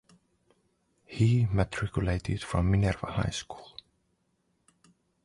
He matriculated from Minerva High School.